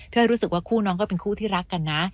อ้อยรู้สึกว่าคู่น้องก็เป็นคู่ที่รักกันนะ